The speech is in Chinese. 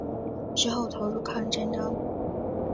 之后投入抗日战争。